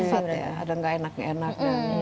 sumpah ya ada gak enak enak